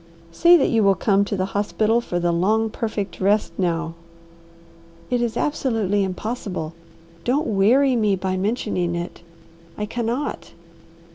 Say that you will come to the hospital for the long, perfect rest now." "It is absolutely impossible. Don't weary me by mentioning it. I cannot."